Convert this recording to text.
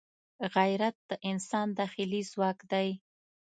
غیرت د انسان داخلي ځواک دی